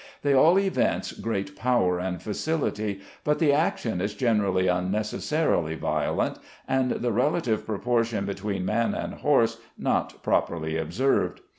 They all evince great power and facility, but the action is generally unnecessarily violent, and the relative proportion between man and horse not properly observed.